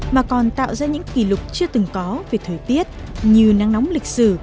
mà còn tạo ra những kỷ lục chưa từng có về thời tiết như nắng nóng lịch sử